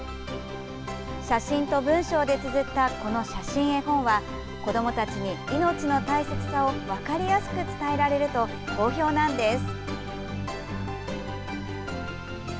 写真と文章でつづったこの写真絵本は子どもたちに命の大切さを分かりやすく伝えられると好評なんです。